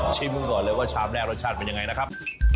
ก่อนเลยว่าชามแรกรสชาติเป็นยังไงนะครับ